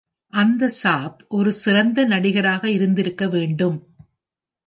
அந்த சாப் ஒரு சிறந்த நடிகராக இருந்திருக்க வேண்டும்